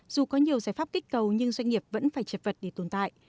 dù có nhiều giải pháp kích cầu nhưng doanh nghiệp vẫn phải chật vật để tồn tại